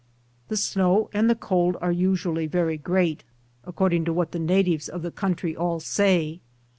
The snow and the cold ate visu ally very great, according to what the natives of the country all say.